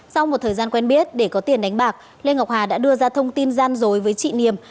sau một thời gian quen biết để có tiền đánh bạc lê ngọc hà đã đưa ra thông tin gian dối với chị niềm